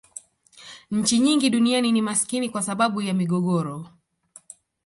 nchi nyingi duniani ni maskini kwa sababu ya migogoro